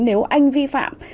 nếu anh vi phạm